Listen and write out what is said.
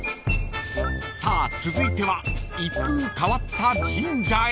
［さあ続いては一風変わった神社へ］